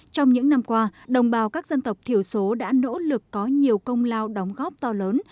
trong những năm qua đồng bào các dân tộc thiểu số đã nỗ lực có nhiều công lao đóng góp to lớn